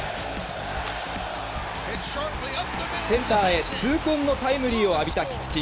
センターへ痛恨のタイムリーを浴びた菊池。